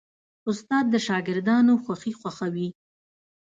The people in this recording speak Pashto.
استاد د شاګردانو خوښي خوښوي.